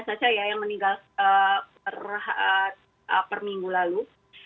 saya yang meninggal per minggu lalu